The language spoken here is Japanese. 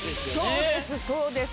そうですそうです！